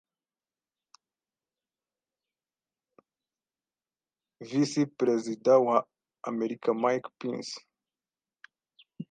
Visi-Perezida w'Amerika, Mike Pence,